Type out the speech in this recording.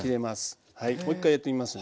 もう一回やってみますね。